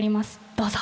どうぞ。